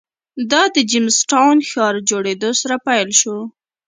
دا د جېمز ټاون ښار جوړېدو سره پیل شو.